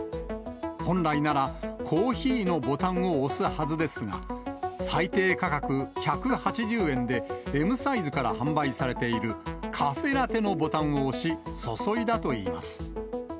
本来なら、コーヒーのボタンを押すはずですが、最低価格１８０円でＭサイズから販売されているカフェラテのボタンを押し、注いだといいます。